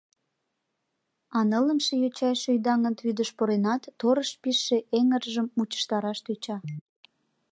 А нылымше йоча шӱй даҥыт вӱдыш пуренат, торыш пижше эҥыржым мучыштараш тӧча.